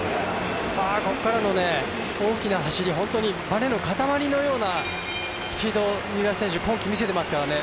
ここからの大きな走りバネの塊のようなスピードを三浦選手、今季、見せてますからね。